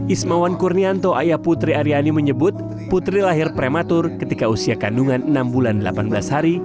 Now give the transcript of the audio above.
ismawan kurnianto ayah putri aryani menyebut putri lahir prematur ketika usia kandungan enam bulan delapan belas hari